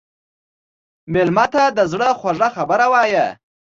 مېلمه ته د زړه خوږه خبره وایه.